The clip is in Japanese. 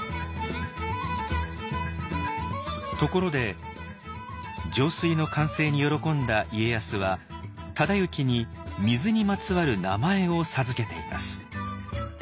ところで上水の完成に喜んだ家康は忠行に水にまつわる名前を授けています。